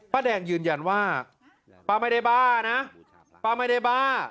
แดงยืนยันว่าป้าไม่ได้บ้านะป้าไม่ได้บ้า